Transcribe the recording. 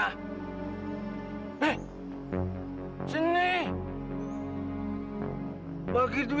bagaimana infectious disease ini bisa melarikan selanjutnya